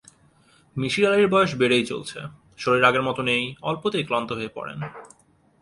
মিসির আলির বয়স বেড়েই চলছে, শরীর আগের মতো নেই, অল্পতেই ক্লান্ত হয়ে পড়েন।